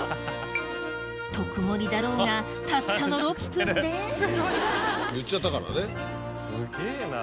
特盛りだろうがたったの６分ですげぇな。